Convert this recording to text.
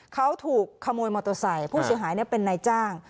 เขาถูกขโมยมอเตอร์ไซค์ผู้เสียหายเป็นนายจ้าง